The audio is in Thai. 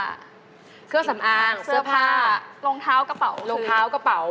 เครื่องสำอางเสื้อผ้ารองเท้ากระเป๋ารองเท้ากระเป๋า